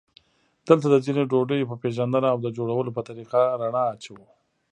دلته د ځینو ډوډیو په پېژندنه او د جوړولو په طریقه رڼا اچوو.